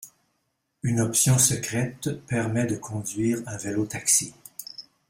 Une option secrète permet de conduire un vélo-taxi.